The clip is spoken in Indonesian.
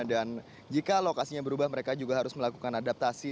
dan jika lokasinya berubah mereka juga harus melakukan adaptasi